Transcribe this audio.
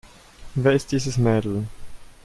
Wer ist dieses Mädel?